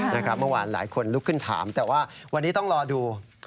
เมื่อวานหลายคนลุกขึ้นถามแต่ว่าวันนี้ต้องรอดู